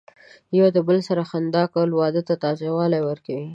د یو بل سره خندا کول، واده ته تازه والی ورکوي.